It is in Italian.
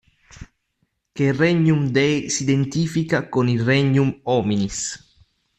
Che il Regnum Dei si identifica con il Regnum hominis.